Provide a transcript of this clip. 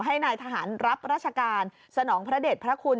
ให้นายทหารรับราชการสนองพระเด็จพระคุณ